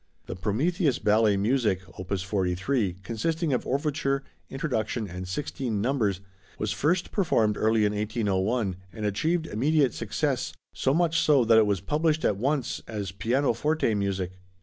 The Prometheus Ballet Music, opus 43, consisting of overture, introduction and sixteen numbers, was first performed early in 1801, and achieved immediate success, so much so that it was published at once as pianoforte music.